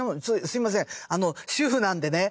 すみません主婦なんでね。